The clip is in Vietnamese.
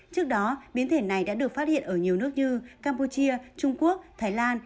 trước đó biến thể này đã được phát hiện ở nhiều nước như campuchia trung quốc thái lan